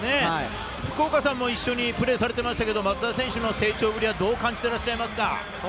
福岡さんも一緒にプレーされてましたけれども、松田選手の成長ぶりはどう感じていますか？